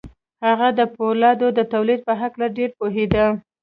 هغه د پولادو د تولید په هکله ډېر پوهېده